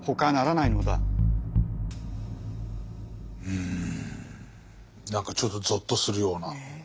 うん何かちょっとぞっとするような。